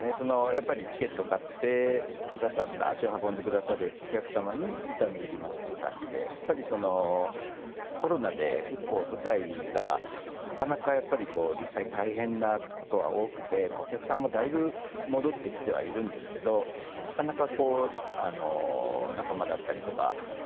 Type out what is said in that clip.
やっぱりチケットを買ってくださった足を運んでくださるお客様に痛み入りますという感じでやっぱりコロナで結構舞台がなかなかやっぱり実際大変な事は多くてお客さんもだいぶ戻ってきてはいるんですけどなかなか仲間だったりとか大変だったりするんですね。